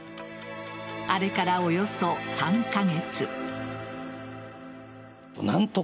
あれからおよそ３カ月。